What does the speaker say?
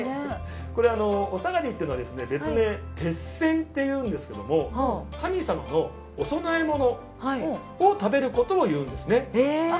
おさがりというのは別名てっせんというんですけども神様のお供え物を食べることをいうんですね。